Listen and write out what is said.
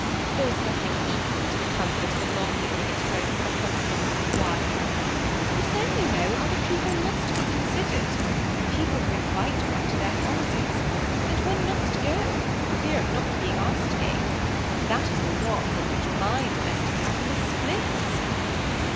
There is nothing equal to the comfort of a long even ing at home for the husband and wife ; but then, you know, other people must be considered, — the people who invite one to their houses, '— and one must go for fear of not being asked again ; and that is the rock on which my domestic happiness splits."